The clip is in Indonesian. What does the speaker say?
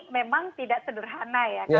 memang tidak sederhana ya